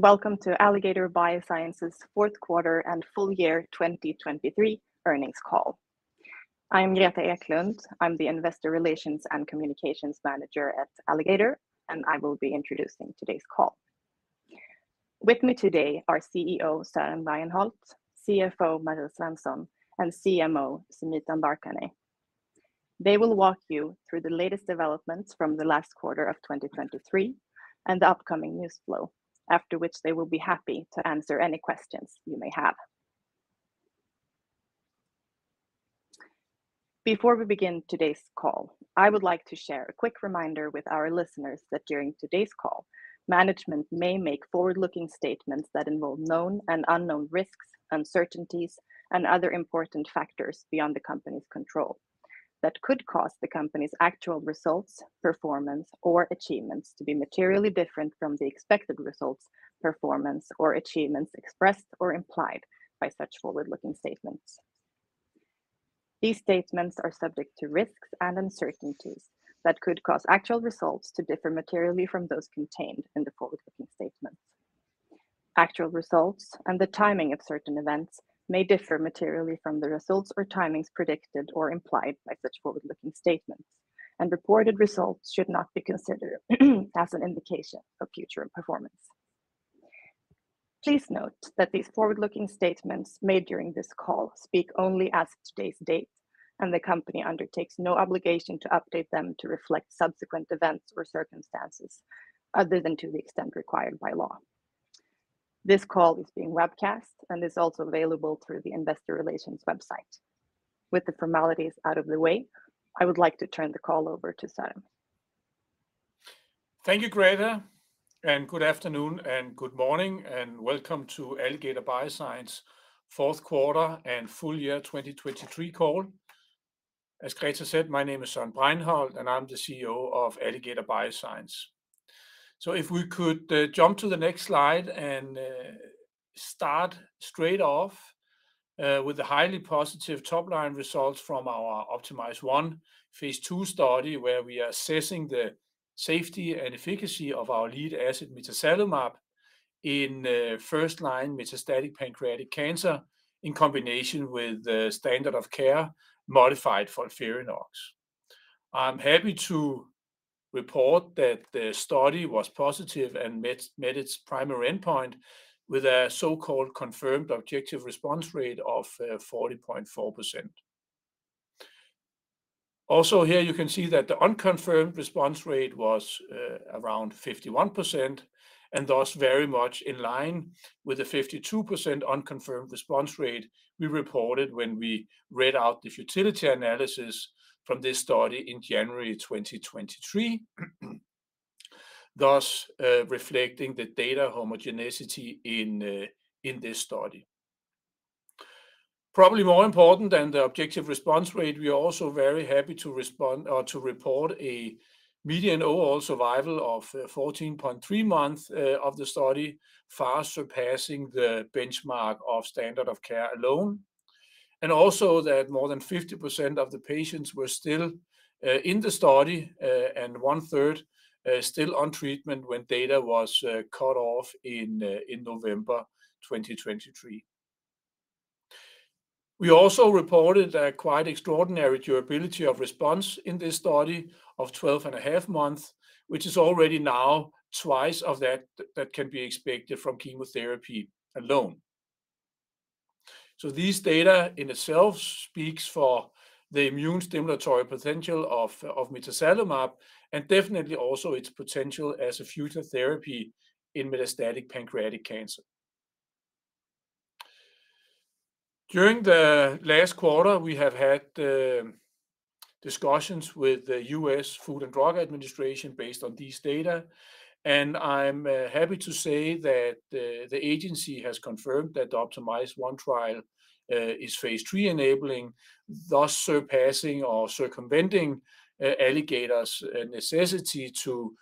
Welcome to Alligator Bioscience's fourth quarter and full year 2023 earnings call. I'm Greta Eklund. I'm the Investor Relations and Communications Manager at Alligator, and I will be introducing today's call. With me today are CEO, Søren Bregenholt, CFO, Marie Svensson, and CMO, Sumeet Ambarkhane. They will walk you through the latest developments from the last quarter of 2023 and the upcoming news flow, after which they will be happy to answer any questions you may have. Before we begin today's call, I would like to share a quick reminder with our listeners that during today's call, management may make forward-looking statements that involve known and unknown risks, uncertainties, and other important factors beyond the company's control, that could cause the company's actual results, performance, or achievements to be materially different from the expected results, performance, or achievements expressed or implied by such forward-looking statements. These statements are subject to risks and uncertainties that could cause actual results to differ materially from those contained in the forward-looking statements. Actual results and the timing of certain events may differ materially from the results or timings predicted or implied by such forward-looking statements, and reported results should not be considered, as an indication of future performance. Please note that these forward-looking statements made during this call speak only as of today's date, and the company undertakes no obligation to update them to reflect subsequent events or circumstances other than to the extent required by law. This call is being webcast and is also available through the investor relations website. With the formalities out of the way, I would like to turn the call over to Søren. Thank you, Greta, and good afternoon, and good morning, and welcome to Alligator Bioscience fourth quarter and full year 2023 call. As Greta said, my name is Søren Bregenholt, and I'm the CEO of Alligator Bioscience. So if we could jump to the next slide and start straight off with the highly positive top-line results from our OPTIMIZE-1 phase II study, where we are assessing the safety and efficacy of our lead asset, mitazalimab, in first-line metastatic pancreatic cancer, in combination with the standard of care modified FOLFIRINOX. I'm happy to report that the study was positive and met its primary endpoint with a so-called confirmed objective response rate of 40.4%. Also here, you can see that the unconfirmed response rate was around 51%, and thus very much in line with the 52% unconfirmed response rate we reported when we read out the futility analysis from this study in January 2023. Thus, reflecting the data homogeneity in this study. Probably more important than the objective response rate, we are also very happy to respond- or to report a median overall survival of 14.3 months of the study, far surpassing the benchmark of standard of care alone. And also that more than 50% of the patients were still in the study, and one-third still on treatment when data was cut off in November 2023. We also reported a quite extraordinary durability of response in this study of 12.5 months, which is already now twice of that that can be expected from chemotherapy alone. So this data in itself speaks for the immune stimulatory potential of mitazalimab, and definitely also its potential as a future therapy in metastatic pancreatic cancer. During the last quarter, we have had discussions with the U.S. Food and Drug Administration based on these data, and I'm happy to say that the agency has confirmed that the OPTIMIZE-1 trial is phase III-enabling, thus surpassing or circumventing Alligator's necessity to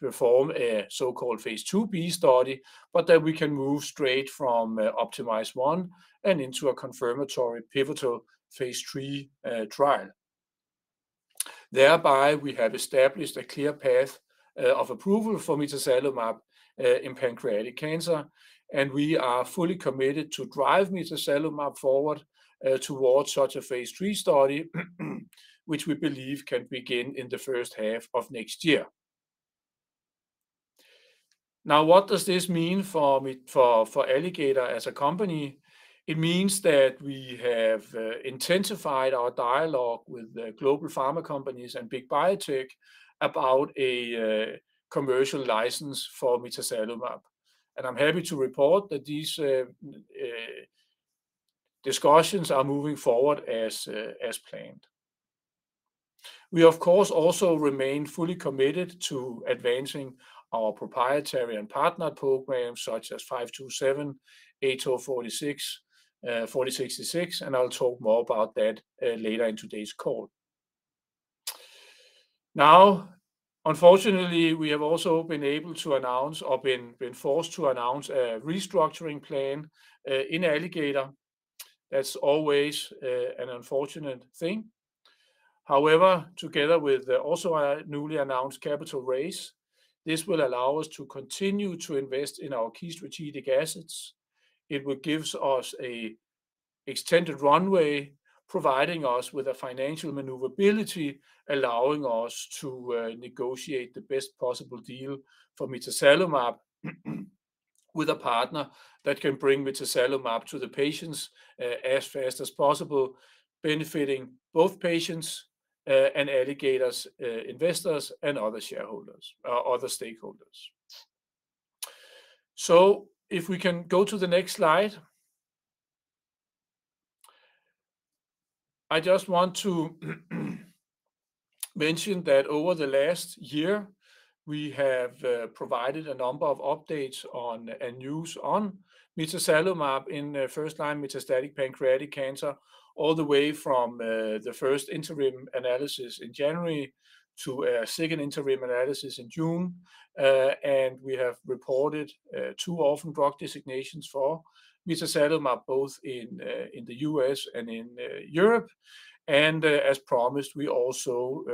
perform a so-called phase II-B study, but that we can move straight from OPTIMIZE-1 and into a confirmatory pivotal phase III trial. Thereby, we have established a clear path of approval for mitazalimab in pancreatic cancer, and we are fully committed to drive mitazalimab forward towards such a phase III study, which we believe can begin in the first half of next year. Now, what does this mean for Alligator as a company? It means that we have intensified our dialogue with the global pharma companies and big biotech about a commercial license for mitazalimab. And I'm happy to report that these discussions are moving forward as planned. We, of course, also remain fully committed to advancing our proprietary and partner programs, such as 527, 8046, 4066, and I'll talk more about that later in today's call. Now, unfortunately, we have also been able to announce or been forced to announce a restructuring plan in Alligator. That's always an unfortunate thing. However, together with also a newly announced capital raise, this will allow us to continue to invest in our key strategic assets. It will gives us a extended runway, providing us with a financial maneuverability, allowing us to negotiate the best possible deal for mitazalimab with a partner that can bring mitazalimab to the patients as fast as possible, benefiting both patients and Alligator's investors and other shareholders, other stakeholders. So if we can go to the next slide. I just want to mention that over the last year, we have provided a number of updates on, and news on mitazalimab in first-line metastatic pancreatic cancer, all the way from the first interim analysis in January to a second interim analysis in June. And we have reported two orphan drug designations for mitazalimab, both in the U.S. and in Europe. And as promised, we also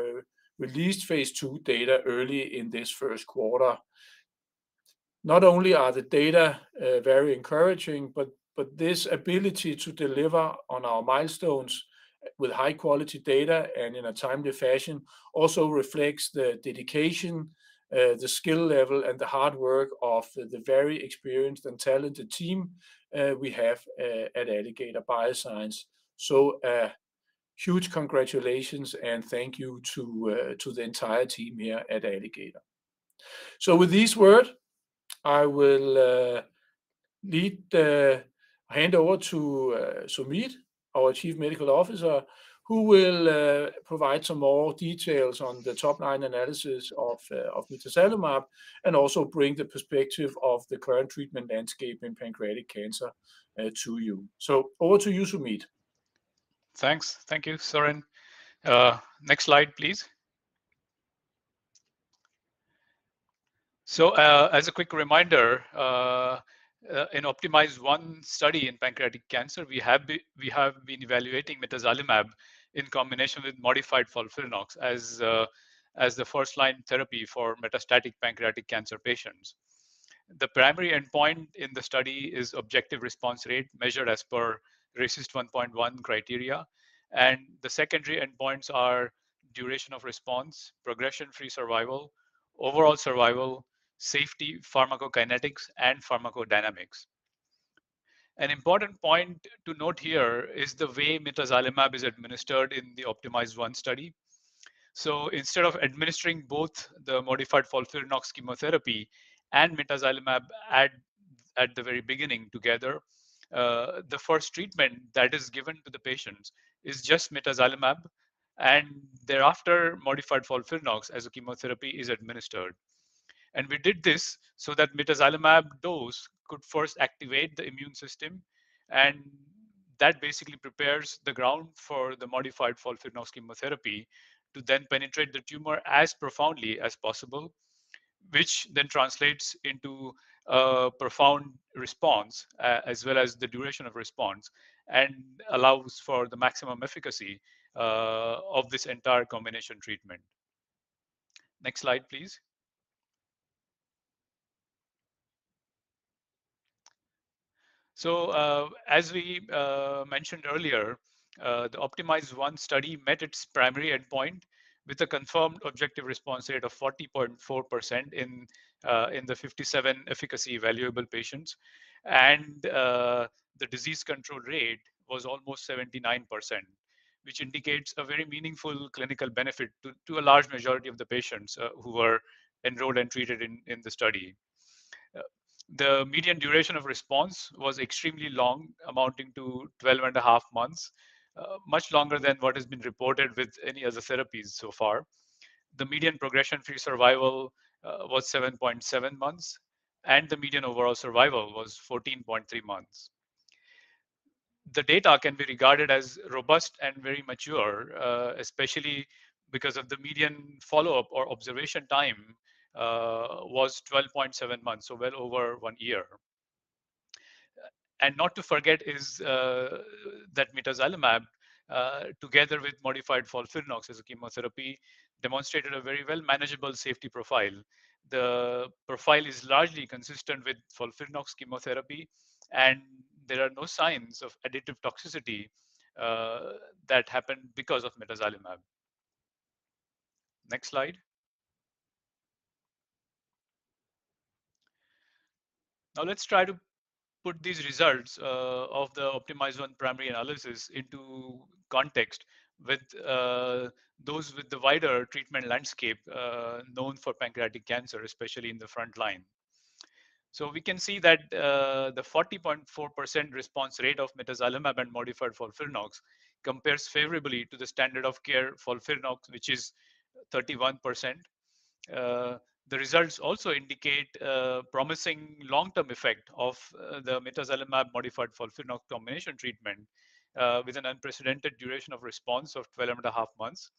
released phase II data early in this first quarter. Not only are the data very encouraging, but this ability to deliver on our milestones with high-quality data and in a timely fashion also reflects the dedication, the skill level, and the hard work of the very experienced and talented team we have at Alligator Bioscience. So, huge congratulations and thank you to, to the entire team here at Alligator. So with this word, I will, lead, hand over to, Sumeet, our Chief Medical Officer, who will, provide some more details on the top-line analysis of, of mitazalimab and also bring the perspective of the current treatment landscape in pancreatic cancer, to you. So over to you, Sumeet. Thanks. Thank you, Søren. Next slide, please. So, as a quick reminder, in OPTIMIZE-1 study in pancreatic cancer, we have been evaluating mitazalimab in combination with modified FOLFIRINOX as the first-line therapy for metastatic pancreatic cancer patients. The primary endpoint in the study is objective response rate, measured as per RECIST 1.1 criteria, and the secondary endpoints are duration of response, progression-free survival, overall survival, safety, pharmacokinetics, and pharmacodynamics. An important point to note here is the way mitazalimab is administered in the OPTIMIZE-1 study. So instead of administering both the modified FOLFIRINOX chemotherapy and mitazalimab at the very beginning together, the first treatment that is given to the patients is just mitazalimab, and thereafter, modified FOLFIRINOX as a chemotherapy is administered. We did this so that mitazalimab dose could first activate the immune system, and that basically prepares the ground for the modified FOLFIRINOX chemotherapy to then penetrate the tumor as profoundly as possible, which then translates into a profound response, as well as the duration of response, and allows for the maximum efficacy of this entire combination treatment. Next slide, please. As we mentioned earlier, the OPTIMIZE-1 study met its primary endpoint with a confirmed objective response rate of 40.4% in the 57 efficacy evaluable patients. The disease control rate was almost 79%, which indicates a very meaningful clinical benefit to a large majority of the patients who were enrolled and treated in the study. The median duration of response was extremely long, amounting to 12.5 months, much longer than what has been reported with any other therapies so far. The median progression-free survival was 7.7 months, and the median overall survival was 14.3 months. The data can be regarded as robust and very mature, especially because of the median follow-up or observation time was 12.7 months, so well over one year. And not to forget is that mitazalimab together with modified FOLFIRINOX as a chemotherapy demonstrated a very well manageable safety profile. The profile is largely consistent with FOLFIRINOX chemotherapy, and there are no signs of additive toxicity that happened because of mitazalimab. Next slide. Now, let's try to put these results of the OPTIMIZE-1 primary analysis into context with those with the wider treatment landscape known for pancreatic cancer, especially in the front line. So we can see that the 40.4% response rate of mitazalimab and modified FOLFIRINOX compares favorably to the standard of care FOLFIRINOX, which is 31%. The results also indicate promising long-term effect of the mitazalimab modified FOLFIRINOX combination treatment with an unprecedented duration of response of 12.5 months....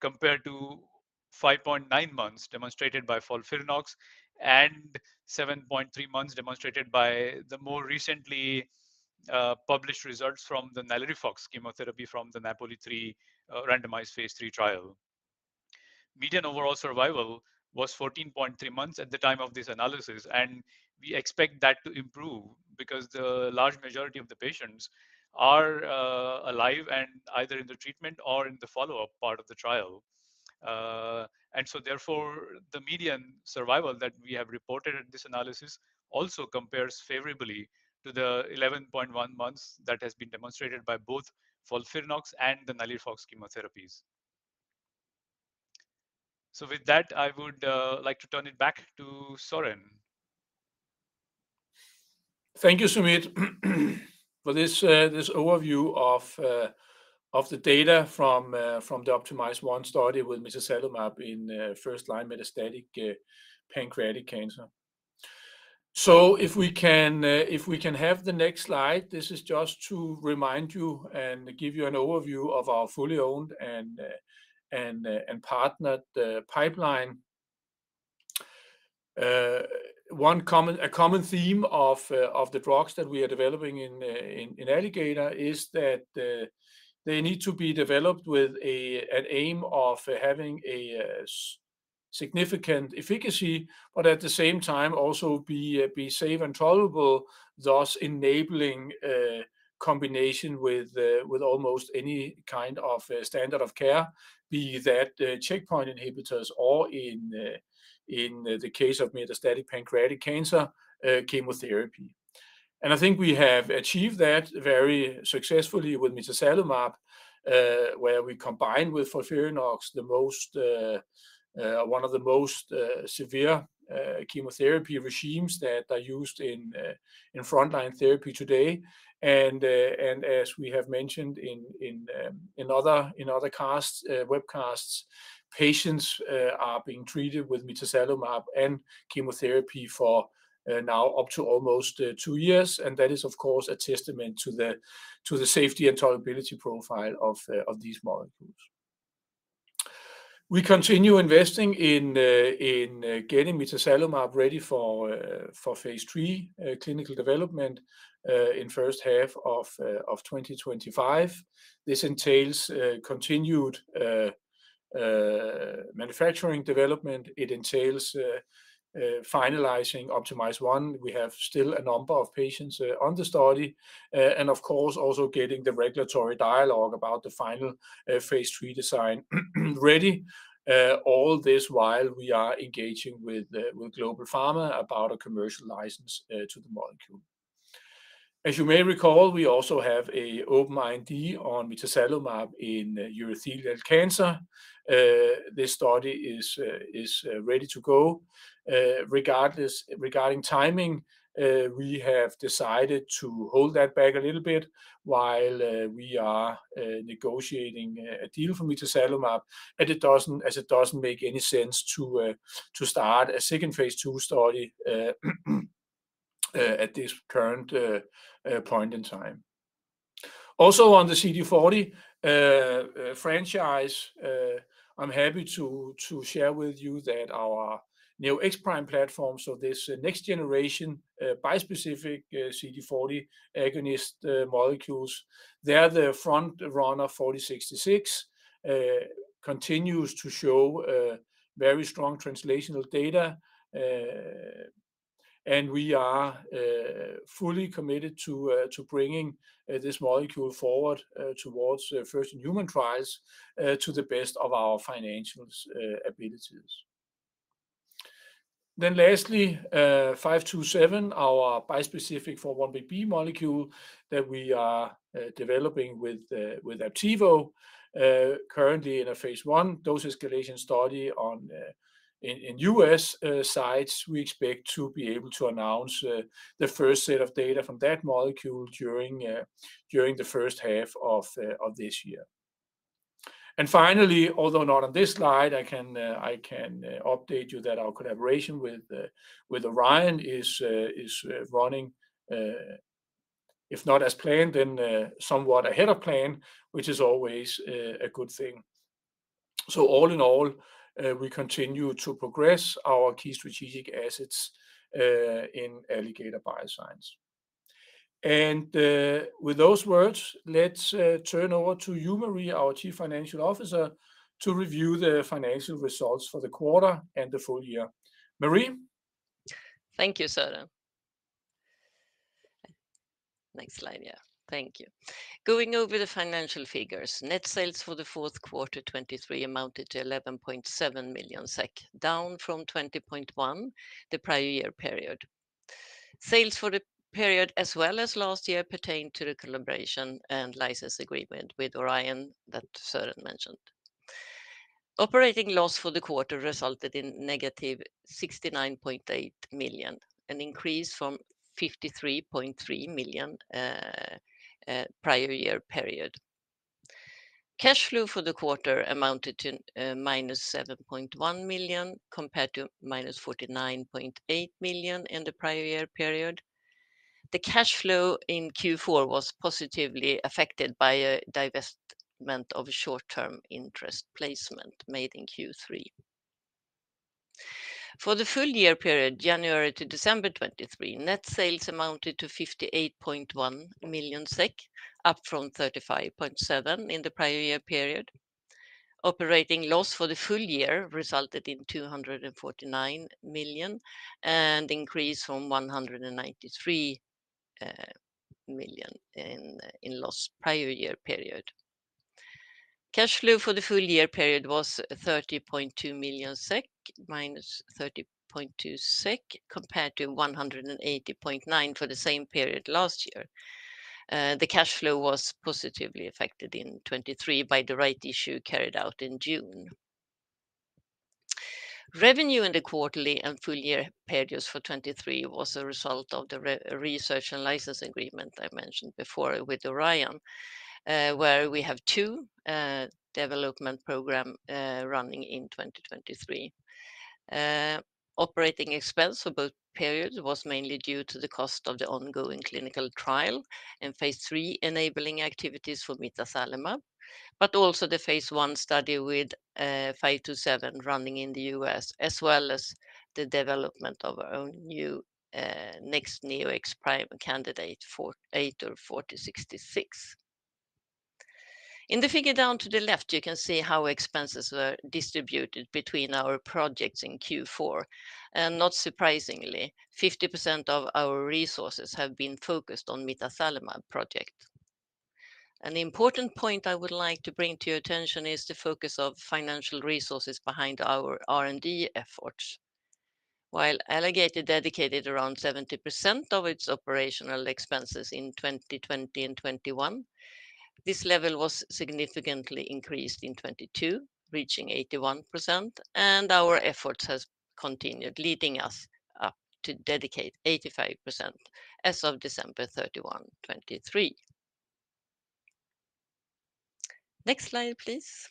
compared to 5.9 months demonstrated by FOLFIRINOX, and 7.3 months demonstrated by the more recently, published results from the NALIRIFOX chemotherapy from the NAPOLI 3 randomized phase III trial. Median overall survival was 14.3 months at the time of this analysis, and we expect that to improve because the large majority of the patients are, alive and either in the treatment or in the follow-up part of the trial. And so therefore, the median survival that we have reported in this analysis also compares favorably to the 11.1 months that has been demonstrated by both FOLFIRINOX and the NALIRIFOX chemotherapies. So with that, I would, like to turn it back to Søren. Thank you, Sumeet, for this overview of the data from the OPTIMIZE-1 study with mitazalimab in first-line metastatic pancreatic cancer. So if we can have the next slide, this is just to remind you and give you an overview of our fully owned and partnered pipeline. One common theme of the drugs that we are developing in Alligator is that they need to be developed with an aim of having significant efficacy, but at the same time, also be safe and tolerable, thus enabling combination with almost any kind of standard of care, be that checkpoint inhibitors or in the case of metastatic pancreatic cancer, chemotherapy. I think we have achieved that very successfully with mitazalimab, where we combined with FOLFIRINOX, one of the most severe chemotherapy regimens that are used in frontline therapy today. And as we have mentioned in other webcasts, patients are being treated with mitazalimab and chemotherapy for now up to almost two years. And that is, of course, a testament to the safety and tolerability profile of these molecules. We continue investing in getting mitazalimab ready for phase three clinical development in first half of 2025. This entails continued manufacturing development. It entails finalizing OPTIMIZE-1. We have still a number of patients on the study, and of course, also getting the regulatory dialogue about the final phase III design ready. All this while we are engaging with global pharma about a commercial license to the molecule. As you may recall, we also have an open IND on mitazalimab in urothelial cancer. This study is ready to go. Regardless... Regarding timing, we have decided to hold that back a little bit while we are negotiating a deal for mitazalimab, and it doesn't, as it doesn't make any sense to start a second phase II study at this current point in time. Also, on the CD40 franchise, I'm happy to share with you that our new Neo-X-Prime platform, so this next generation bispecific CD40 agonist molecules, they are the front runner, ATOR-4066. Continues to show very strong translational data, and we are fully committed to bringing this molecule forward towards first human trials, to the best of our financial abilities. Then lastly, ALG.APV-527, our bispecific 4-1BB molecule that we are developing with Aptevo. Currently in a phase I dose-escalation study in U.S. sites. We expect to be able to announce the first set of data from that molecule during the first half of this year. And finally, although not on this slide, I can update you that our collaboration with Orion is running, if not as planned, then somewhat ahead of plan, which is always a good thing. So all in all, we continue to progress our key strategic assets in Alligator Bioscience. And with those words, let's turn over to you, Marie, our Chief Financial Officer, to review the financial results for the quarter and the full year. Marie? Thank you, Søren. Next slide. Yeah, thank you. Going over the financial figures, net sales for the fourth quarter 2023 amounted to 11.7 million SEK, down from 20.1 million the prior year period. Sales for the period, as well as last year, pertained to the collaboration and license agreement with Orion that Søren mentioned. Operating loss for the quarter resulted in -69.8 million, an increase from -53.3 million prior year period. Cash flow for the quarter amounted to -7.1 million, compared to -49.8 million in the prior year period. The cash flow in Q4 was positively affected by a divestment of short-term interest placement made in Q3. For the full year period, January to December 2023, net sales amounted to 58.1 million SEK, up from 35.7 million in the prior year period. Operating loss for the full year resulted in -249 million, an increase from -193 million in loss prior year period. Cash flow for the full year period was -30.2 million SEK, compared to 180.9 million for the same period last year. The cash flow was positively affected in 2023 by the right issue carried out in June. Revenue in the quarterly and full year periods for 2023 was a result of the research and license agreement I mentioned before with Orion, where we have two development programs running in 2023. Operating expense for both periods was mainly due to the cost of the ongoing clinical trial and phase III enabling activities for mitazalimab, but also the phase I study with ALG.APV-527 running in the U.S., as well as the development of our own new next Neo-X-Prime candidate, ATOR-4066. In the figure down to the left, you can see how expenses were distributed between our projects in Q4, and not surprisingly, 50% of our resources have been focused on mitazalimab project. An important point I would like to bring to your attention is the focus of financial resources behind our R&D efforts. While Alligator dedicated around 70% of its operational expenses in 2020 and 2021, this level was significantly increased in 2022, reaching 81%, and our efforts has continued, leading us to dedicate 85% as of December 31, 2023. Next slide, please.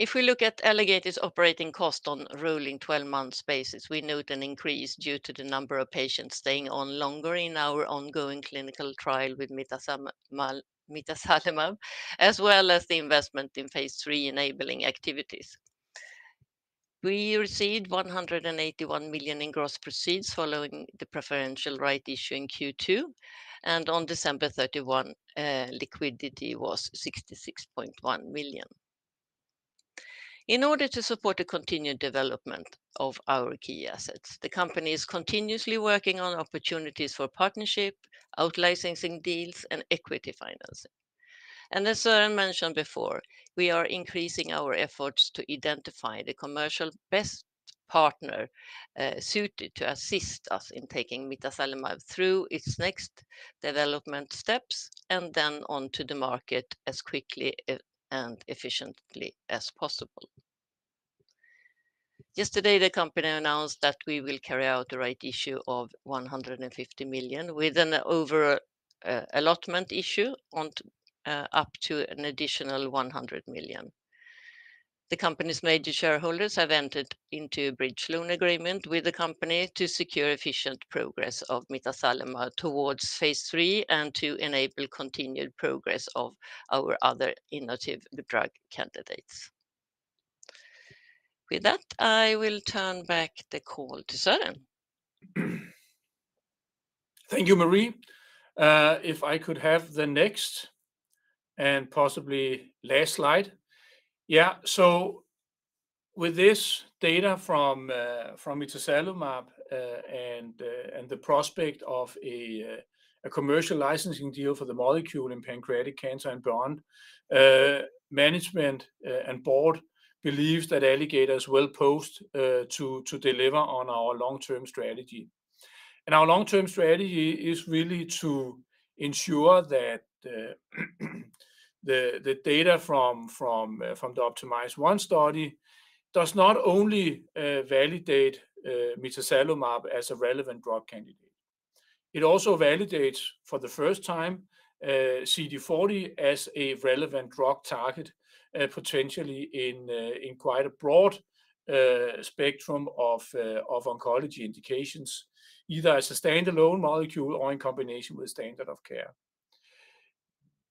If we look at Alligator's operating cost on rolling 12-month basis, we note an increase due to the number of patients staying on longer in our ongoing clinical trial with mitazalimab, as well as the investment in phase III enabling activities. We received 181 million in gross proceeds following the preferential right issue in Q2, and on December 31, liquidity was 66.1 million. In order to support the continued development of our key assets, the company is continuously working on opportunities for partnership, out-licensing deals, and equity financing. As Søren mentioned before, we are increasing our efforts to identify the commercial best partner suited to assist us in taking mitazalimab through its next development steps, and then on to the market as quickly and efficiently as possible. Yesterday, the company announced that we will carry out the rights issue of 150 million, with an over-allotment issue up to an additional 100 million. The company's major shareholders have entered into a bridge loan agreement with the company to secure efficient progress of mitazalimab towards phase III, and to enable continued progress of our other innovative drug candidates. With that, I will turn back the call to Søren. Thank you, Marie. If I could have the next and possibly last slide. Yeah, so with this data from mitazalimab and the prospect of a commercial licensing deal for the molecule in pancreatic cancer and beyond, management and board believes that Alligator is well-positioned to deliver on our long-term strategy. Our long-term strategy is really to ensure that the data from the OPTIMIZE-1 study does not only validate mitazalimab as a relevant drug candidate. It also validates, for the first time, CD40 as a relevant drug target, potentially in quite a broad spectrum of oncology indications, either as a standalone molecule or in combination with standard of care.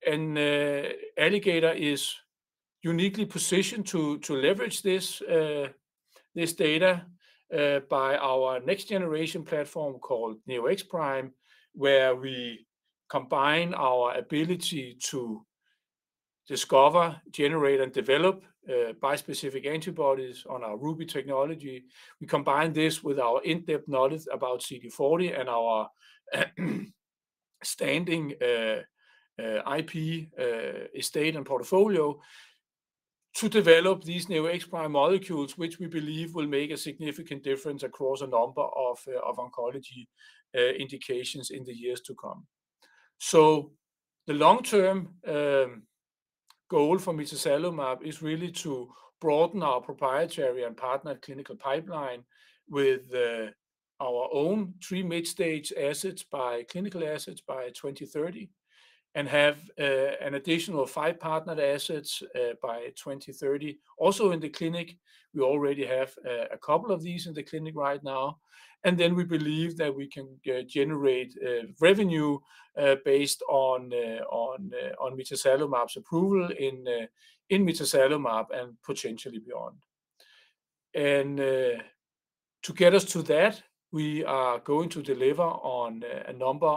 Alligator is uniquely positioned to leverage this data by our next-generation platform called Neo-X-Prime, where we combine our ability to discover, generate, and develop bispecific antibodies on our RUBY technology. We combine this with our in-depth knowledge about CD40 and our strong IP estate and portfolio, to develop these Neo-X-Prime molecules, which we believe will make a significant difference across a number of oncology indications in the years to come. So the long-term goal for mitazalimab is really to broaden our proprietary and partnered clinical pipeline with our own three mid-stage clinical assets by 2030, and have an additional five partnered assets by 2030. Also in the clinic, we already have a couple of these in the clinic right now, and then we believe that we can generate revenue based on mitazalimab's approval in mitazalimab and potentially beyond. To get us to that, we are going to deliver on a number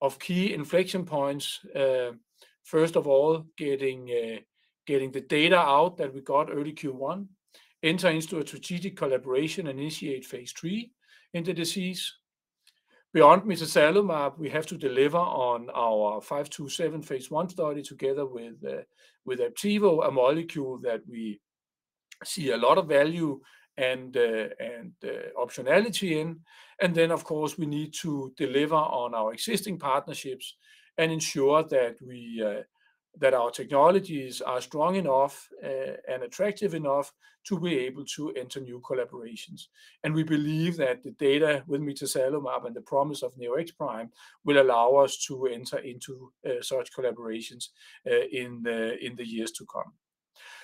of key inflection points. First of all, getting the data out that we got early Q1, enter into a strategic collaboration, initiate phase III in the disease. Beyond mitazalimab, we have to deliver on our ALG.APV-527 phase I study together with Aptevo, a molecule that we see a lot of value and optionality in. Then, of course, we need to deliver on our existing partnerships and ensure that we that our technologies are strong enough and attractive enough to be able to enter new collaborations. We believe that the data with mitazalimab and the promise of Neo-X-Prime will allow us to enter into such collaborations in the years to come.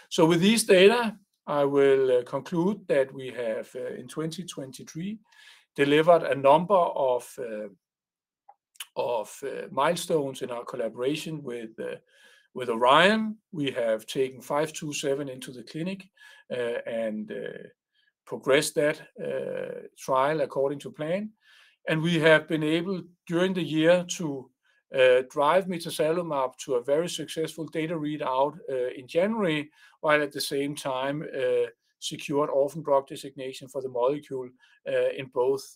So with this data, I will conclude that we have in 2023 delivered a number of milestones in our collaboration with Orion. We have taken ALG.APV-527 into the clinic and progressed that trial according to plan. We have been able, during the year, to drive mitazalimab to a very successful data readout in January, while at the same time secure an Orphan Drug Designation for the molecule in both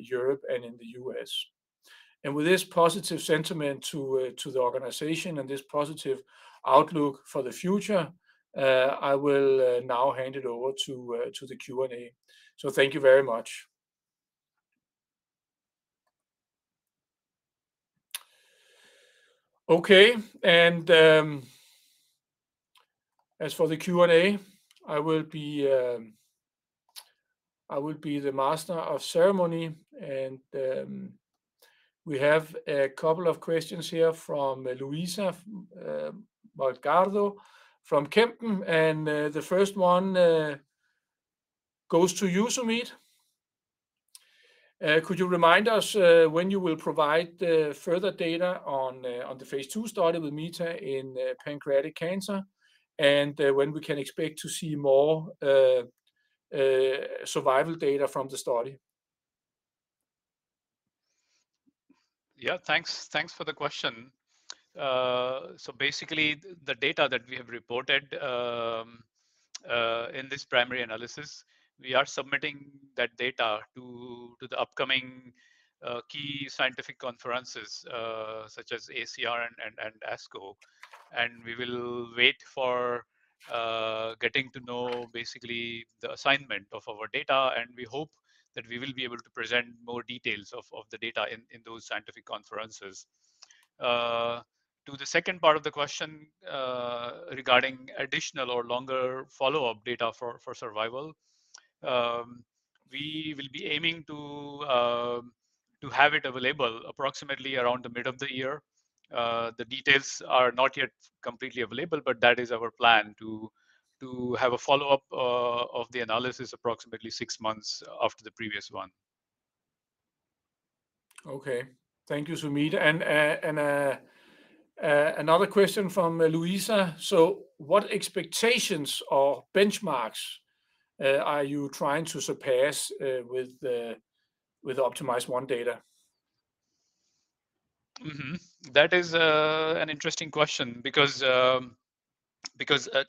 Europe and in the U.S. With this positive sentiment to the organization and this positive outlook for the future, I will now hand it over to the Q&A. So thank you very much. Okay, as for the Q&A, I will be the master of ceremonies, and we have a couple of questions here from Louisa Belgardo, from Kempen, and the first one goes to you, Sumeet. Could you remind us when you will provide further data on the phase II study with mitazalimab in pancreatic cancer, and when we can expect to see more survival data from the study? Yeah, thanks. Thanks for the question. So basically, the data that we have reported, in this primary analysis, we are submitting that data to the upcoming key scientific conferences, such as AACR and ASCO. And we will wait for getting to know basically the assignment of our data, and we hope that we will be able to present more details of the data in those scientific conferences. To the second part of the question, regarding additional or longer follow-up data for survival. We will be aiming to have it available approximately around the mid of the year. The details are not yet completely available, but that is our plan to have a follow-up of the analysis approximately six months after the previous one. Okay. Thank you, Sumeet. And another question from Louisa: So what expectations or benchmarks are you trying to surpass with the OPTIMIZE-1 data? Mm-hmm. That is an interesting question because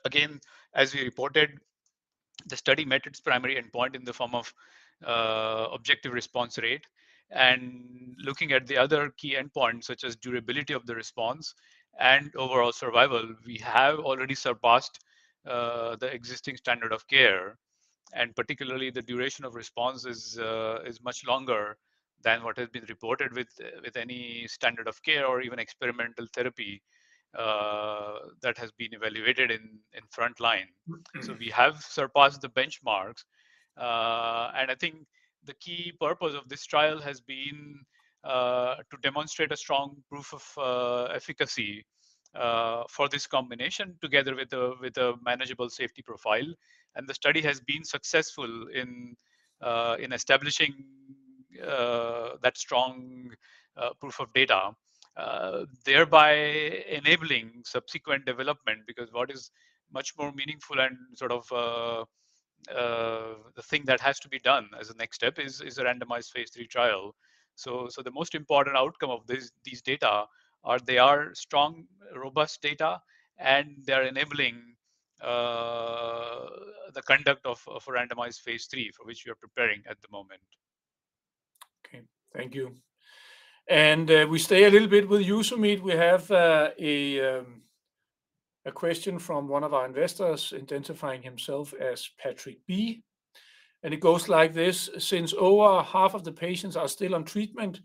again, as we reported, the study met its primary endpoint in the form of objective response rate. And looking at the other key endpoints, such as durability of the response and overall survival, we have already surpassed the existing standard of care, and particularly the duration of response is much longer than what has been reported with any standard of care or even experimental therapy that has been evaluated in frontline. Mm-hmm. So we have surpassed the benchmarks, and I think the key purpose of this trial has been, to demonstrate a strong proof of, efficacy, for this combination, together with a, with a manageable safety profile. And the study has been successful in, in establishing, that strong, proof of data, thereby enabling subsequent development. Because what is much more meaningful and sort of, the thing that has to be done as a next step is, is a randomized phase III trial. So, so the most important outcome of this, these data are they are strong, robust data, and they are enabling, the conduct of, of a randomized phase III, for which we are preparing at the moment. Okay, thank you. And we stay a little bit with you, Sumeet. We have a question from one of our investors identifying himself as Patrick B., and it goes like this: Since over half of the patients are still on treatment,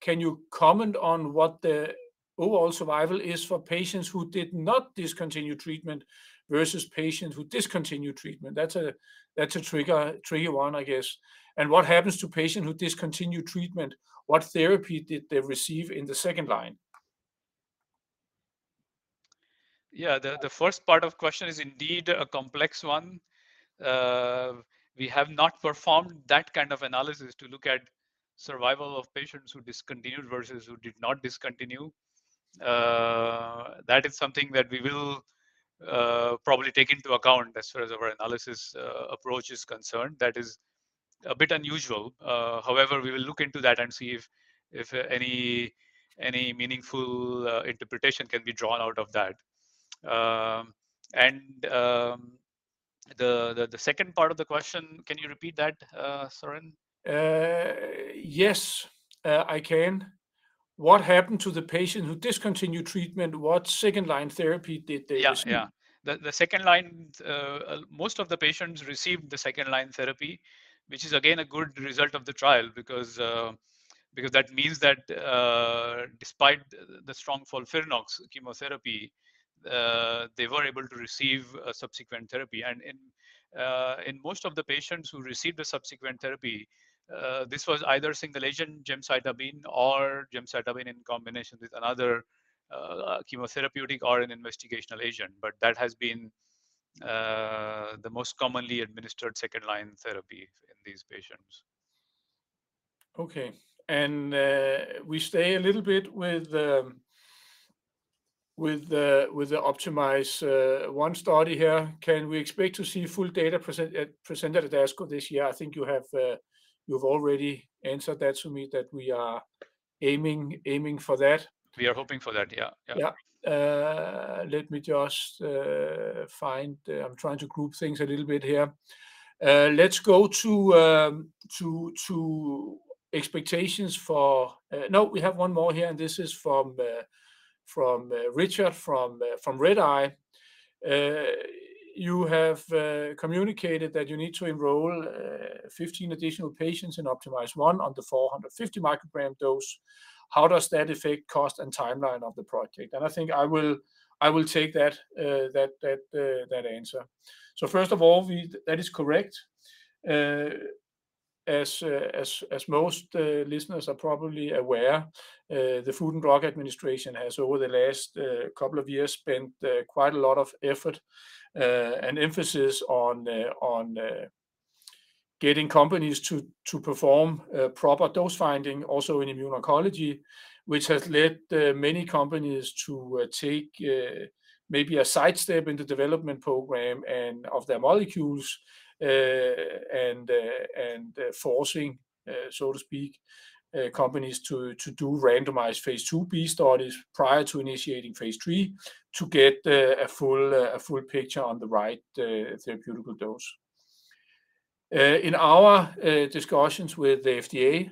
can you comment on what the overall survival is for patients who did not discontinue treatment versus patients who discontinued treatment? That's a tricky one, I guess. And what happens to patients who discontinue treatment? What therapy did they receive in the second line? Yeah, the first part of question is indeed a complex one. We have not performed that kind of analysis to look at survival of patients who discontinued versus who did not discontinue. That is something that we will probably take into account as far as our analysis approach is concerned. That is a bit unusual. However, we will look into that and see if any meaningful interpretation can be drawn out of that. The second part of the question, can you repeat that, Søren? Yes, I can. What happened to the patients who discontinued treatment? What second-line therapy did they receive? Yeah, yeah. The second line, most of the patients received the second-line therapy, which is again, a good result of the trial, because, because that means that, despite the strong FOLFIRINOX chemotherapy, they were able to receive a subsequent therapy. And in, in most of the patients who received the subsequent therapy, this was either single agent gemcitabine or gemcitabine in combination with another, chemotherapeutic or an investigational agent, but that has been, the most commonly administered second-line therapy in these patients. Okay. And we stay a little bit with the OPTIMIZE-1 study here. Can we expect to see full data presented at ASCO this year? I think you have already answered that to me, that we are aiming for that. We are hoping for that, yeah, yeah. Yeah. Let me just find... I'm trying to group things a little bit here. Let's go to, to expectations for... No, we have one more here, and this is from, from Richard, from Redeye. You have communicated that you need to enroll 15 additional patients in OPTIMIZE-1 on the 450 microgram dose. How does that affect cost and timeline of the project? And I think I will take that answer. So first of all, we, that is correct. As most listeners are probably aware, the Food and Drug Administration has over the last couple of years spent quite a lot of effort and emphasis on getting companies to perform proper dose finding also in immuno-oncology, which has led many companies to take maybe a sidestep in the development program and of their molecules. And forcing, so to speak, companies to do randomized phase II-B studies prior to initiating phase III, to get a full picture on the right therapeutic dose. In our discussions with the FDA,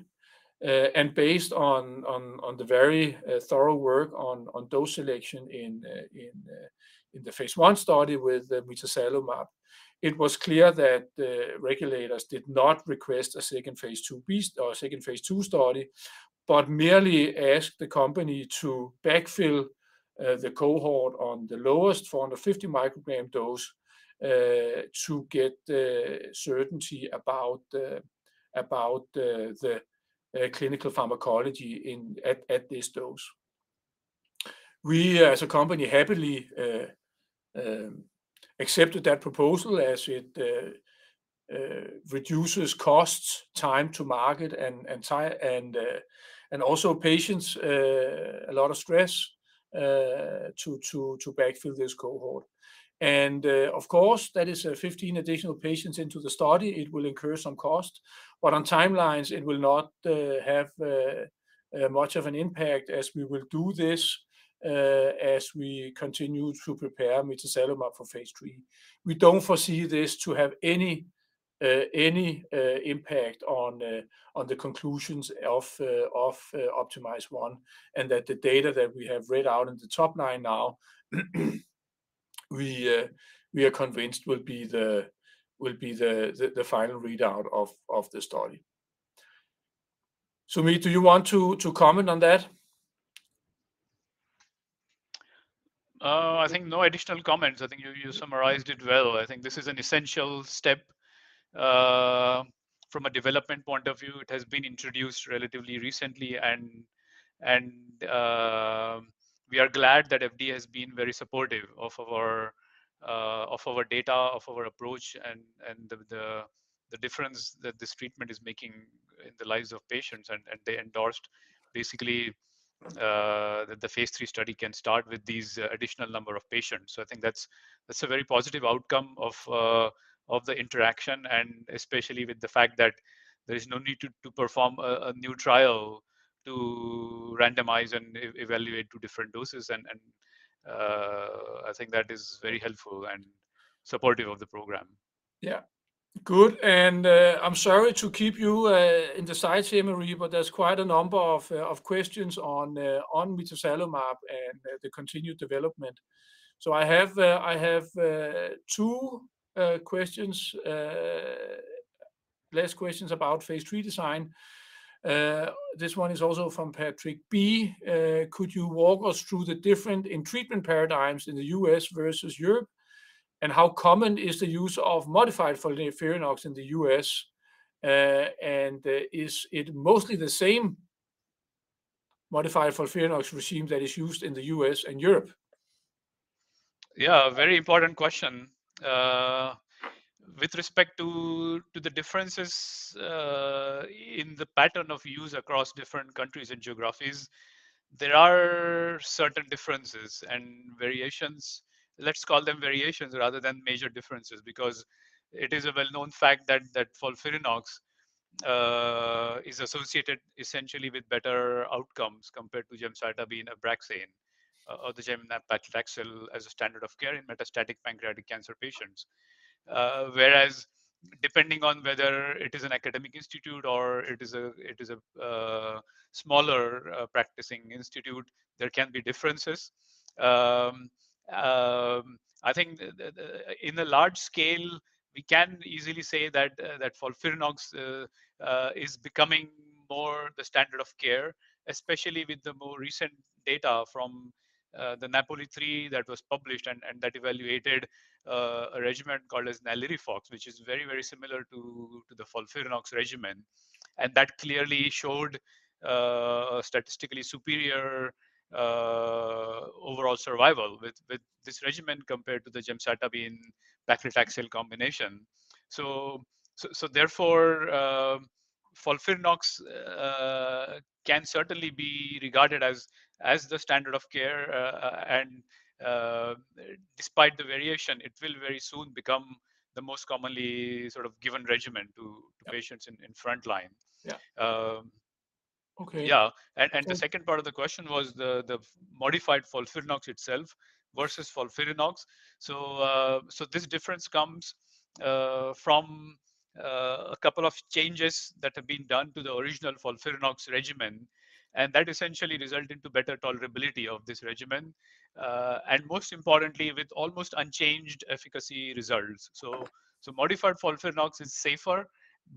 and based on the very thorough work on dose selection in the phase I study with mitazalimab, it was clear that the regulators did not request a second phase II-B or a second phase II study, but merely asked the company to backfill the cohort on the lowest 450-microgram dose to get certainty about the clinical pharmacology at this dose. We, as a company, happily accepted that proposal as it reduces costs, time to market, and time, and also patients a lot of stress to backfill this cohort. Of course, that is 15 additional patients into the study. It will incur some cost, but on timelines, it will not have much of an impact as we will do this as we continue to prepare mitazalimab for phase III. We don't foresee this to have any impact on the conclusions of OPTIMIZE-1, and that the data that we have read out in the topline now, we are convinced will be the final readout of the study. Sumeet, do you want to comment on that? I think no additional comments. I think you, you summarized it well. I think this is an essential step from a development point of view. It has been introduced relatively recently, and we are glad that FDA has been very supportive of our of our data, of our approach, and the difference that this treatment is making in the lives of patients. And they endorsed basically that the phase III study can start with these additional number of patients. So I think that's a very positive outcome of of the interaction, and especially with the fact that there is no need to perform a new trial to randomize and evaluate two different doses. And I think that is very helpful and supportive of the program. Yeah. Good, and, I'm sorry to keep you in the slideshow, Marie, but there's quite a number of questions on mitazalimab and the continued development. So I have two questions, last questions about phase III design. This one is also from Patrick B: Could you walk us through the different in treatment paradigms in the U.S. versus Europe? And how common is the use of modified FOLFIRINOX in the U.S.? And is it mostly the same modified FOLFIRINOX regimen that is used in the U.S. and Europe? Yeah, a very important question. With respect to the differences in the pattern of use across different countries and geographies, there are certain differences and variations. Let's call them variations rather than major differences, because it is a well-known fact that FOLFIRINOX is associated essentially with better outcomes compared to gemcitabine Abraxane, or the gemcitabine nab-paclitaxel as a standard of care in metastatic pancreatic cancer patients. Whereas, depending on whether it is an academic institute or it is a smaller practicing institute, there can be differences. I think the, the, in the large scale, we can easily say that, that FOLFIRINOX is becoming more the standard of care, especially with the more recent data from the Napoli Three that was published and that evaluated a regimen called as NALIRIFOX, which is very, very similar to the FOLFIRINOX regimen. And that clearly showed statistically superior overall survival with this regimen compared to the gemcitabine paclitaxel combination. So therefore, FOLFIRINOX can certainly be regarded as the standard of care. And despite the variation, it will very soon become the most commonly sort of given regimen to- Yeah... patients in frontline. Yeah. Um. Okay. Yeah. And- And the second part of the question was the modified FOLFIRINOX itself versus FOLFIRINOX. So this difference comes from a couple of changes that have been done to the original FOLFIRINOX regimen, and that essentially result into better tolerability of this regimen, and most importantly, with almost unchanged efficacy results. So modified FOLFIRINOX is safer,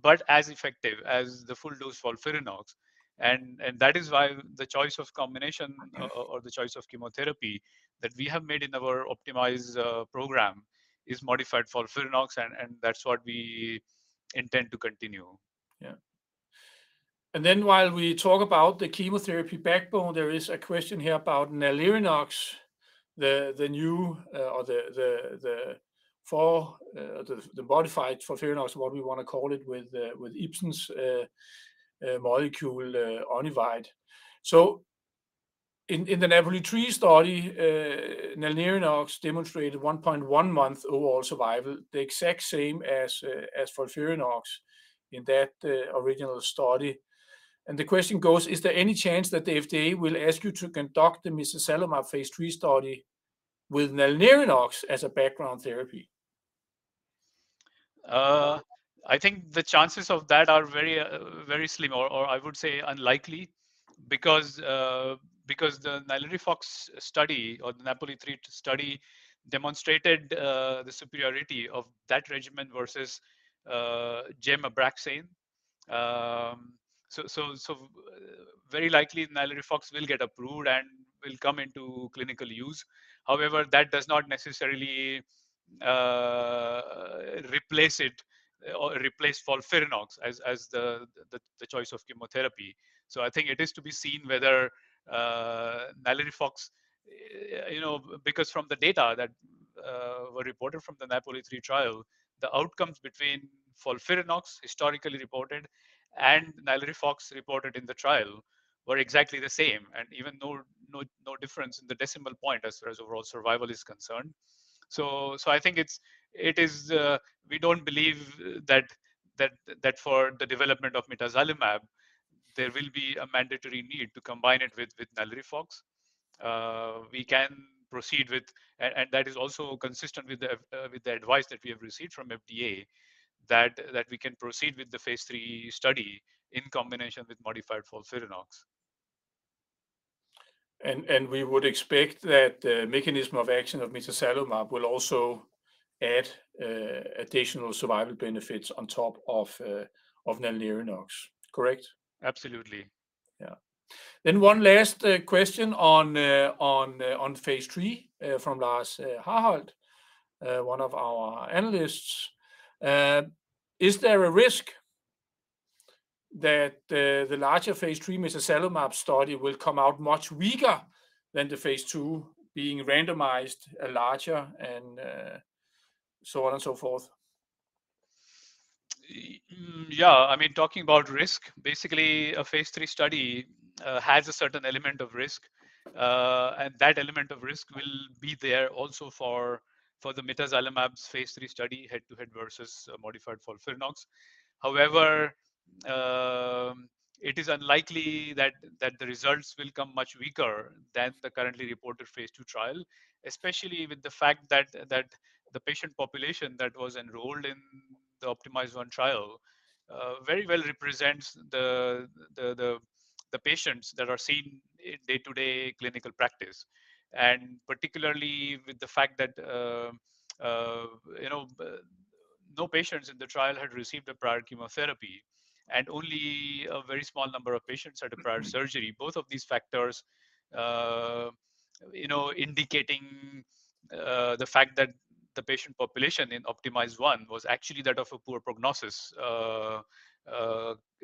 but as effective as the full dose FOLFIRINOX. And that is why the choice of combination the choice of chemotherapy that we have made in our optimized program is modified FOLFIRINOX, and that's what we intend to continue. Yeah. And then, while we talk about the chemotherapy backbone, there is a question here about NALIRIFOX, the new or the modified FOLFIRINOX, what we want to call it, with Ipsen's molecule, Onivyde. So in the NAPOLI 3 study, NALIRIFOX demonstrated 1.1 months overall survival, the exact same as FOLFIRINOX in that original study. And the question goes: Is there any chance that the FDA will ask you to conduct the mitazalimab phase III study with NALIRIFOX as a background therapy? I think the chances of that are very, very slim, or I would say unlikely, because the NALIRIFOX study or the NAPOLI 3 study demonstrated the superiority of that regimen versus gem Abraxane. So very likely NALIRIFOX will get approved and will come into clinical use. However, that does not necessarily replace it or replace FOLFIRINOX as the choice of chemotherapy. So I think it is to be seen whether NALIRIFOX, you know, because from the data that were reported from the NAPOLI 3 trial, the outcomes between FOLFIRINOX historically reported and NALIRIFOX reported in the trial were exactly the same, and even no difference in the decimal point as overall survival is concerned. So I think it's, it is... We don't believe that for the development of mitazalimab, there will be a mandatory need to combine it with NALIRIFOX. We can proceed and that is also consistent with the advice that we have received from FDA, that we can proceed with the phase III study in combination with modified FOLFIRINOX. And we would expect that the mechanism of action of mitazalimab will also add additional survival benefits on top of NALIRIFOX, correct? Absolutely. Yeah. Then one last question on phase III from Lars Hevreng, one of our analysts. Is there a risk that the larger phase III mitazalimab study will come out much weaker than the phase II, being randomized, larger, and so on and so forth? Yeah, I mean, talking about risk, basically, a phase III study has a certain element of risk, and that element of risk will be there also for the mitazalimab's phase III study, head-to-head versus modified FOLFIRINOX. However, it is unlikely that the results will come much weaker than the currently reported phase II trial, especially with the fact that the patient population that was enrolled in the OPTIMIZE-1 trial very well represents the patients that are seen in day-to-day clinical practice. And particularly with the fact that, you know, no patients in the trial had received a prior chemotherapy, and only a very small number of patients had a prior surgery. Both of these factors, you know, indicating the fact that the patient population in OPTIMIZE-1 was actually that of a poor prognosis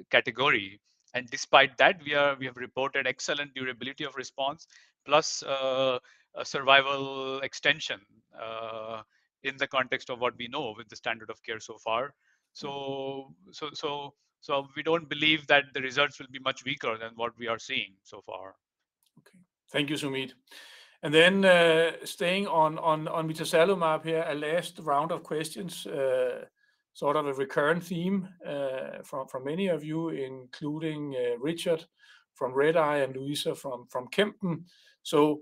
category. And despite that, we have reported excellent durability of response, plus a survival extension in the context of what we know with the standard of care so far. So we don't believe that the results will be much weaker than what we are seeing so far. Okay. Thank you, Sumeet. And then, staying on mitazalimab here, a last round of questions, sort of a recurrent theme, from many of you, including Richard from Redeye and Louisa from Kempen. So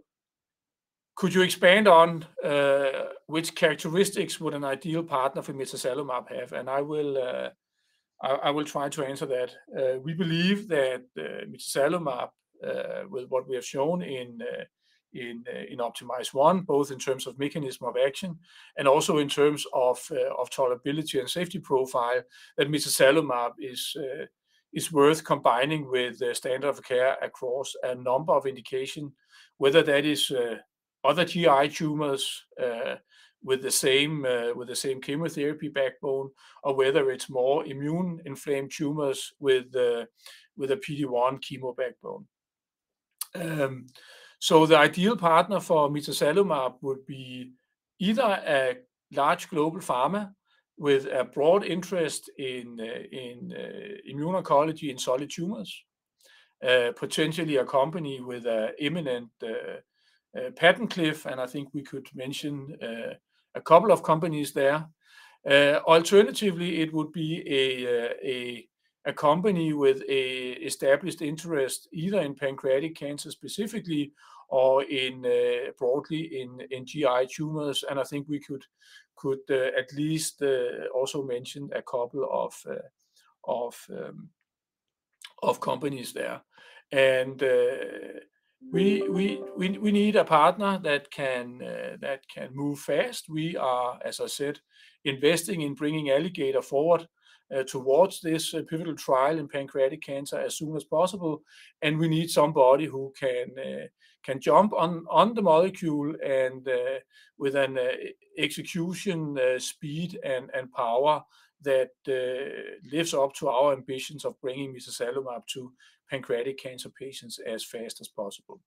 could you expand on which characteristics would an ideal partner for mitazalimab have? And I will try to answer that. We believe that mitazalimab, with what we have shown in OPTIMIZE-1, both in terms of mechanism of action and also in terms of tolerability and safety profile, that mitazalimab is worth combining with the standard of care across a number of indication, whether that is other GI tumors with the same chemotherapy backbone, or whether it's more immune-inflamed tumors with a PD-1 chemo backbone. So the ideal partner for mitazalimab would be either a large global pharma with a broad interest in immune oncology and solid tumors, potentially a company with an imminent patent cliff, and I think we could mention a couple of companies there. Alternatively, it would be a company with an established interest, either in pancreatic cancer specifically or broadly in GI tumors, and I think we could at least also mention a couple of companies there. And we need a partner that can move fast. We are, as I said, investing in bringing Alligator forward towards this pivotal trial in pancreatic cancer as soon as possible, and we need somebody who can jump on the molecule and with an execution speed and power that lives up to our ambitions of bringing mitazalimab to pancreatic cancer patients as fast as possible.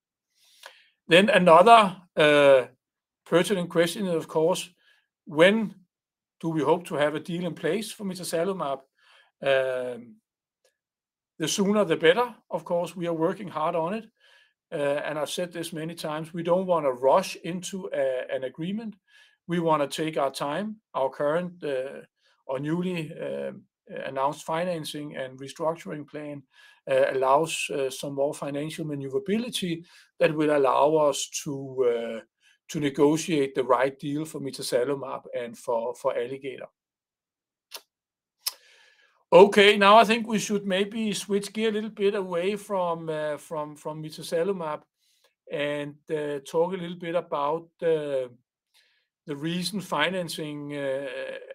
Then another pertinent question, of course: when do we hope to have a deal in place for mitazalimab? The sooner, the better. Of course, we are working hard on it. And I've said this many times, we don't want to rush into an agreement. We want to take our time, our current, or newly, announced financing and restructuring plan, allows some more financial maneuverability that will allow us to, to negotiate the right deal for mitazalimab and for Alligator. Okay, now I think we should maybe switch gear a little bit away from mitazalimab and talk a little bit about the recent financing,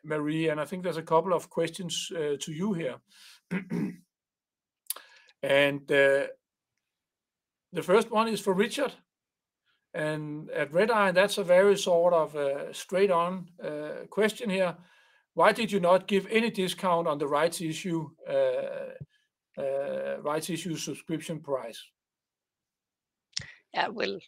Marie, and I think there's a couple of questions to you here. The first one is for Richard at Redeye, that's a very sort of straight-on question here: Why did you not give any discount on the rights issue subscription price? Yeah, well,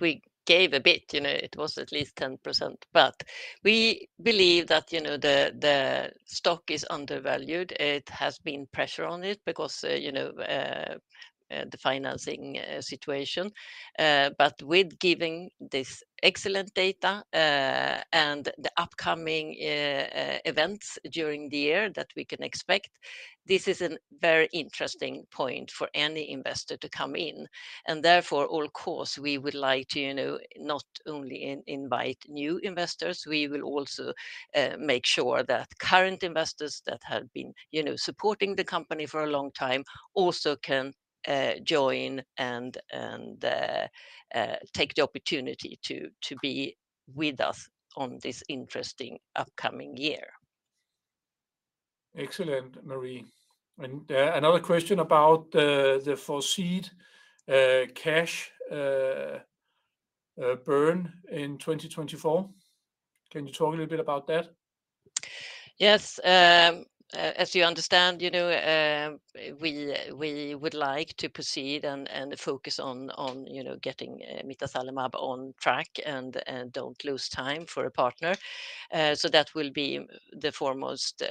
we gave a bit, you know, it was at least 10%, but we believe that, you know, the stock is undervalued. It has been pressure on it because, you know, the financing situation. But with giving this excellent data and the upcoming events during the year that we can expect, this is a very interesting point for any investor to come in, and therefore, of course, we would like to, you know, not only invite new investors, we will also make sure that current investors that have been, you know, supporting the company for a long time, also can join and take the opportunity to be with us on this interesting upcoming year. Excellent, Marie. And, another question about the foreseen cash burn in 2024. Can you talk a little bit about that? Yes. As you understand, you know, we would like to proceed and focus on, you know, getting mitazalimab on track and don't lose time for a partner. So that will be the foremost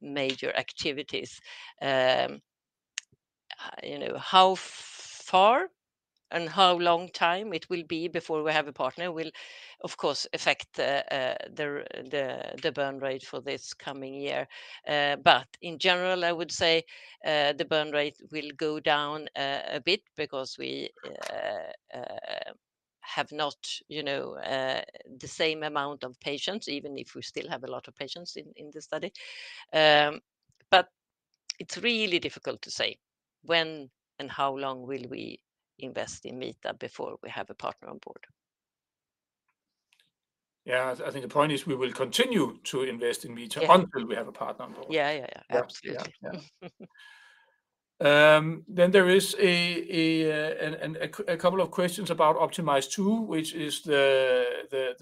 major activities, you know, how far and how long time it will be before we have a partner will, of course, affect the burn rate for this coming year. But in general, I would say the burn rate will go down a bit because we have not, you know, the same amount of patients, even if we still have a lot of patients in the study. But it's really difficult to say when and how long will we invest in Meta before we have a partner on board. Yeah, I think the point is we will continue to invest in Meta- Yeah until we have a partner on board. Yeah, yeah, yeah. Absolutely. Yeah. Yeah. Then there is a couple of questions about OPTIMIZE-2, which is the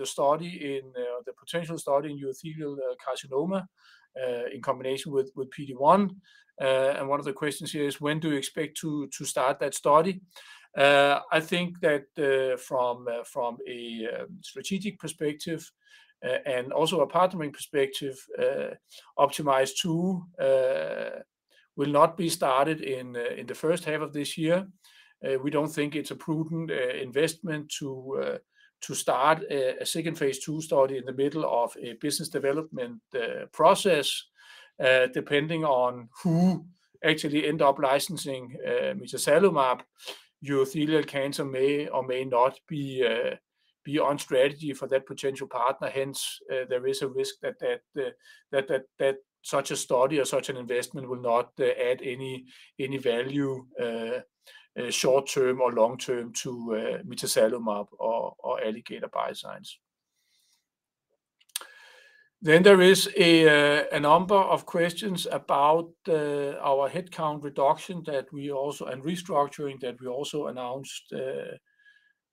potential study in urothelial carcinoma in combination with PD-1. And one of the questions here is: When do you expect to start that study? I think that from a strategic perspective and also a partnering perspective, OPTIMIZE-2 will not be started in the first half of this year. We don't think it's a prudent investment to start a second phase II study in the middle of a business development process. Depending on who actually end up licensing mitazalimab, urothelial cancer may or may not be on strategy for that potential partner. Hence, there is a risk that such a study or such an investment will not add any value, short-term or long-term to mitazalimab or Alligator Bioscience. Then there is a number of questions about our headcount reduction that we also... and restructuring, that we also announced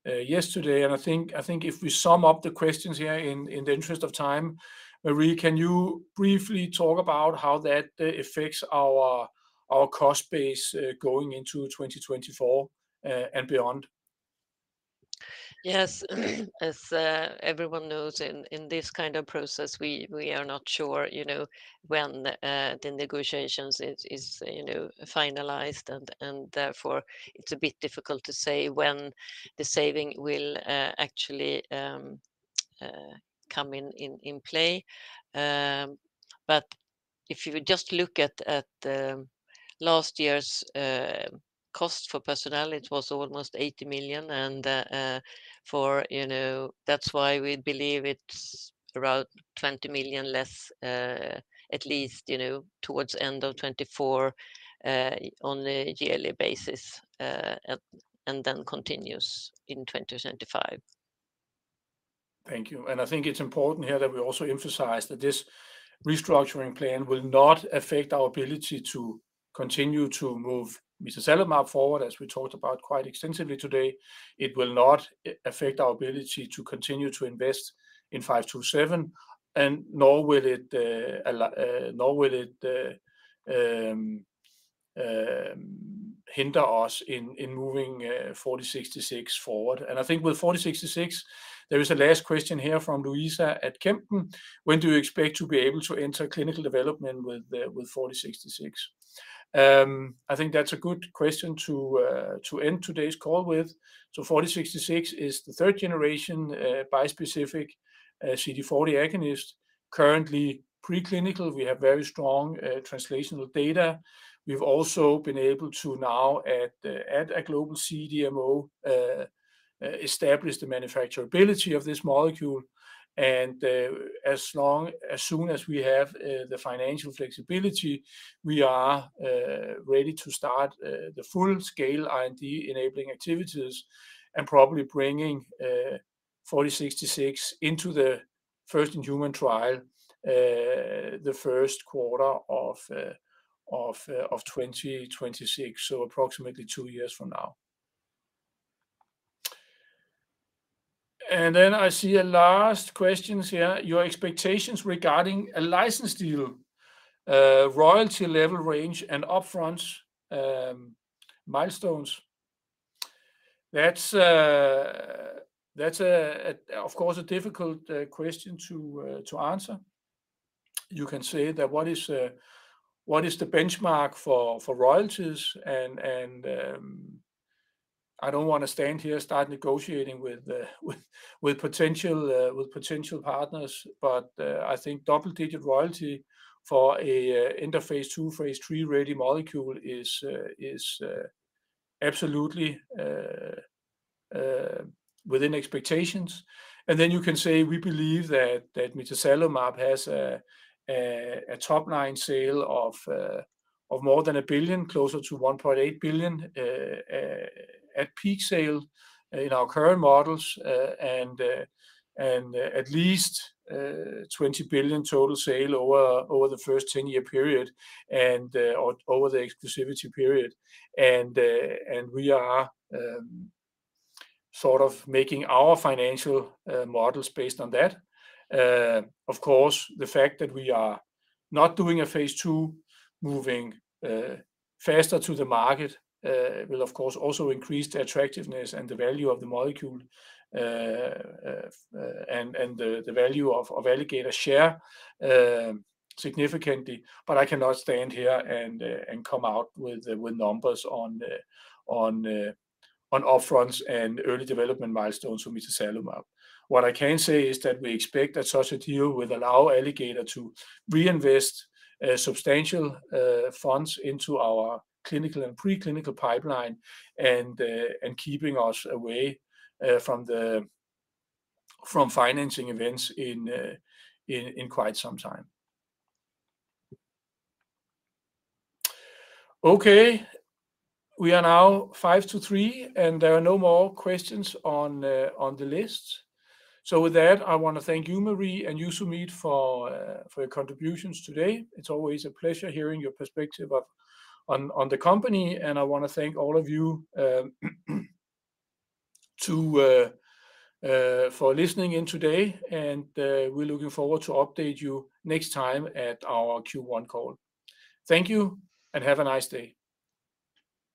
yesterday. And I think if we sum up the questions here in the interest of time, Marie, can you briefly talk about how that affects our cost base going into 2024 and beyond? Yes. As everyone knows, in this kind of process, we are not sure, you know, when the negotiations is finalized, and therefore, it's a bit difficult to say when the saving will actually come in play. But if you just look at last year's cost for personnel, it was almost 80 million. And for, you know, that's why we believe it's around 20 million less, at least, you know, towards end of 2024, on a yearly basis, and then continues in 2025. Thank you. I think it's important here that we also emphasize that this restructuring plan will not affect our ability to continue to move mitazalimab forward, as we talked about quite extensively today. It will not affect our ability to continue to invest in ALG.APV-527, and nor will it hinder us in moving ATOR-4066 forward. I think with ATOR-4066, there is a last question here from Louisa at Kempen: When do you expect to be able to enter clinical development with ATOR-4066? I think that's a good question to end today's call with. ATOR-4066 is the third generation bispecific CD40 agonist, currently preclinical. We have very strong translational data. We've also been able to now, at a global CDMO, establish the manufacturability of this molecule. And as soon as we have the financial flexibility, we are ready to start the full-scale IND-enabling activities, and probably bringing ATOR-4066 into the first-in-human trial, the first quarter of 2026, so approximately two years from now. And then I see a last questions here: Your expectations regarding a license deal, royalty level range, and upfront milestones. That's a, of course, a difficult question to answer. You can say that what is the benchmark for royalties, and I don't want to stand here start negotiating with potential partners. But, I think double-digit royalty for a in phase II phase III-ready molecule is absolutely within expectations. And then you can say we believe that mitazalimab has a top-line sale of more than 1 billion, closer to 1.8 billion at peak sale in our current models, and at least 20 billion total sale over the first 10-year period, or over the exclusivity period. And we are sort of making our financial models based on that. Of course, the fact that we are not doing a phase II, moving faster to the market, will of course also increase the attractiveness and the value of the molecule, and the value of Alligator share significantly, but I cannot stand here and come out with numbers on our fronts and early development milestones for mitazalimab. What I can say is that we expect that such a deal would allow Alligator to reinvest substantial funds into our clinical and preclinical pipeline, and keeping us away from financing events in quite some time. Okay, we are now 5 to 3, and there are no more questions on the list. So with that, I want to thank you, Marie, and you, Sumeet, for, for your contributions today. It's always a pleasure hearing your perspective on the company, and I want to thank all of you for listening in today, and, we're looking forward to update you next time at our Q1 call. Thank you, and have a nice day.